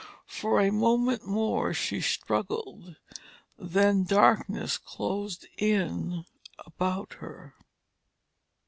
For a moment more she struggled, then darkness closed in about her.